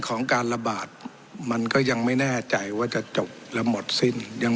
ของการระบาดมันก็ยังไม่แน่ใจว่าจะจบและหมดสิ้นยัง